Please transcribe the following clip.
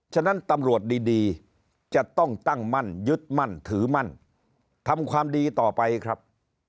ฉะนั้นตำรวจดีจะต้องตั้งมั่นยึดมั่นถือมั่นทำความดีต่อไปครับ